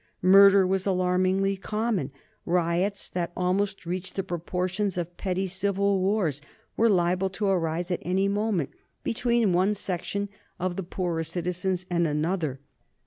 Murder was alarmingly common. Riots that almost reached the proportions of petty civil wars were liable to arise at any moment between one section of the poorer citizens and another.